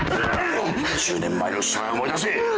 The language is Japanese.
１０年前の芝居を思い出せ。